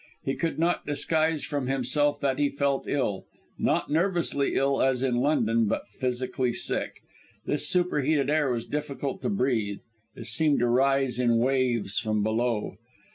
He could not disguise from himself that he felt ill, not nervously ill as in London, but physically sick. This superheated air was difficult to breathe; it seemed to rise in waves from below.